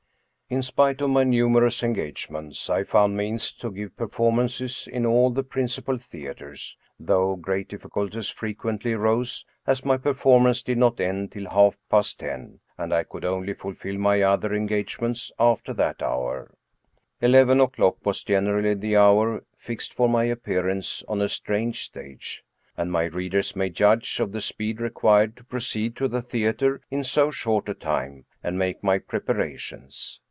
In spite of my numer 215 True Stories of Modern Magic ous engagements, I found means to give performances in all the principal theaters, though great difficulties frequently arose, as my performance did not end till half past ten, and I could only fulfill my other engagements after that hour. Eleven o'clock was generally the hour fixed for my ap pearance on a strange stage, and my readers may judge of the speed required to proceed to the theater in so short ' a time and make my preparations.